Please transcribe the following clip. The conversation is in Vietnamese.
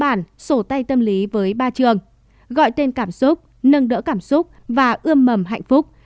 bản sổ tay tâm lý với ba trường gọi tên cảm xúc nâng đỡ cảm xúc và ươm mầm hạnh phúc